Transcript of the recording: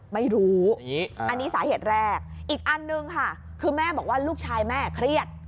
ไม่รู้อันนี้สาเหตุแรกอีกอันหนึ่งค่ะคือแม่บอกว่าลูกชายแม่เครียด